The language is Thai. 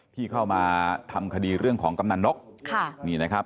ที่เข้ามาทำคดีเรื่องของกำนันนกค่ะนี่นะครับ